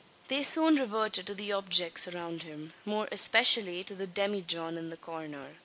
They soon reverted to the objects around him more especially to the demijohn in the corner.